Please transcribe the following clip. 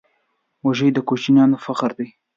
وزې د کوچیانو فخر دی